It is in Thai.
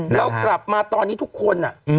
เรากลับมาตอนนี้ทุกคน